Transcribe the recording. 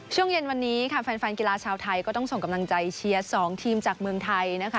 ช่วงเย็นวันนี้ค่ะแฟนกีฬาชาวไทยก็ต้องส่งกำลังใจเชียร์๒ทีมจากเมืองไทยนะคะ